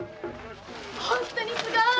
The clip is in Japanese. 本当にすごい！